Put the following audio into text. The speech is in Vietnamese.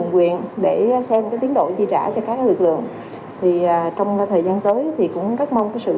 quyền để xem cái tiến độ chi trả cho các lực lượng thì trong thời gian tới thì cũng rất mong cái sự